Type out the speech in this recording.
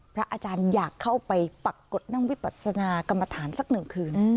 พระอาจารย์อยากเข้าไปปรากฏนั่งวิปัสนากรรมฐานสักหนึ่งคืน